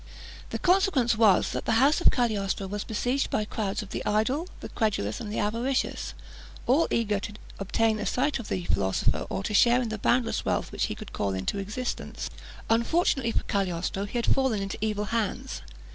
The consequence was, that the house of Cagliostro was besieged by crowds of the idle, the credulous, and the avaricious, all eager to obtain a sight of the "philosopher," or to share in the boundless wealth which he could call into existence. Unfortunately for Cagliostro, he had fallen into evil hands.